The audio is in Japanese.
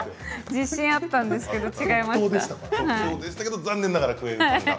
自信があったんですけど違いましたね。